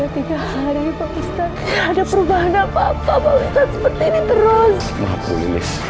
tidak ada perubahan apa apa pak ustadz seperti ini terus